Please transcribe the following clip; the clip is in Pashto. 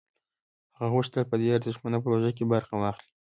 هغه غوښتل په دې ارزښتمنه پروژه کې برخه واخلي